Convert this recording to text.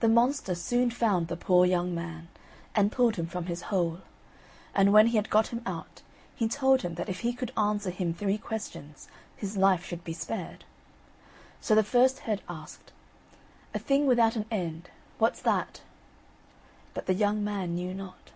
The monster soon found the poor young man, and pulled him from his hole. And when he had got him out, he told him that if he could answer him three questions his life should be spared. So the first head asked: "A thing without an end, what's that?" But the young man knew not.